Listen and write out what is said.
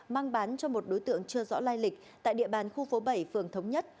mang bán cho một đối tượng chưa rõ lai lịch tại địa bàn khu phố bảy phường thống nhất